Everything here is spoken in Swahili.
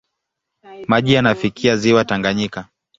Maji yanafikia ziwa Tanganyika.